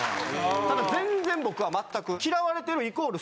ただ全然僕は全く。